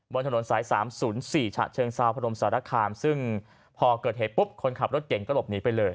บนถนนสาย๓๐๔ฉะเชิงเซาพนมสารคามซึ่งพอเกิดเหตุปุ๊บคนขับรถเก่งก็หลบหนีไปเลย